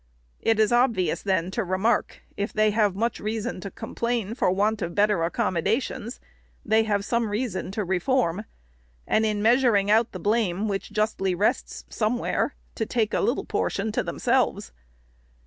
It is obvious then to remark, if they have much reason to com plain for want of better accommodations, they have some reason to reform ; and in measuring out the blame which justly rests somewhere, to take a little portion to them selves.